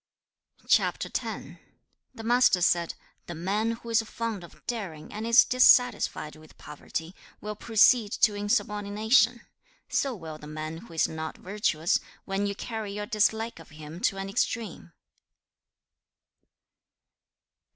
CHAP. X. The Master said, 'The man who is fond of daring and is dissatisfied with poverty, will proceed to insubordination. So will the man who is not virtuous, when you carry your dislike of him to an extreme.'